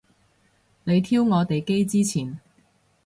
你挑我哋機之前